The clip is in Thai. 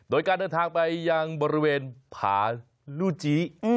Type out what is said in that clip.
โดยการเดินทางไปยังบริเวณผาลูจี